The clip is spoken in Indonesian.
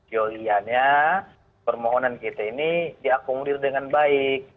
yaitu permohonan kita ini diakungdir dengan baik